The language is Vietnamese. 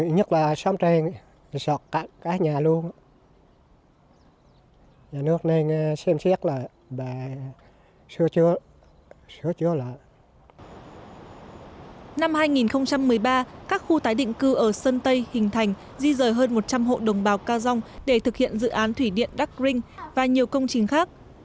năm hai nghìn một mươi ba các khu tái định cư ở sơn tây hình thành di rời hơn một trăm linh hộ đồng bào ca giong để thực hiện dự án thủy điện dark ring và nhiều công trình khác